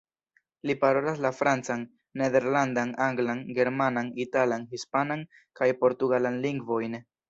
Li parolas la francan, nederlandan, anglan, germanan, italan, hispanan kaj portugalan lingvojn.